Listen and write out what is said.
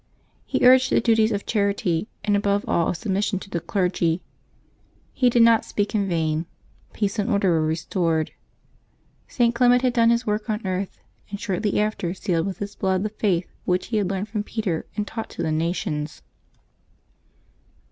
He urged the duties of charity, and above all of submission to the clergy. KovEiiBER 24] LIVES OF THE SAINTS 365 He did not speak in vain; peace and order were restored. St. Clement had done his work on earth, and shortly after sealed with his blood the Paith which he had learned from Peter and taught to the nations.